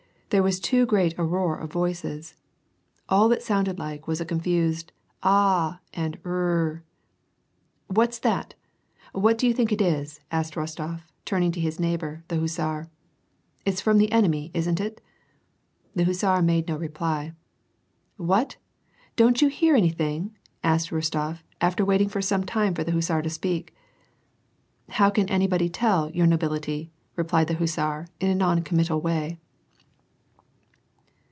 There was too great a roar of voices. All that it sounded like was a confused a arara ! and rrrrrrr !" What's that ? What do you think it is ?" ajsked Rostof, turning to his neighbor, the hussar. " It's from the enemy, isn't it ?" The hussar made no reply. " What ! didn't you hear anything ?" asked Rostof, after waiting for some time for the hussar to speak. " How can anybody tell, your nobility," replied the hussar, in a non committal way.